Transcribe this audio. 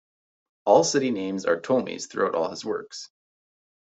All city names are Ptolemy's, throughout all his works.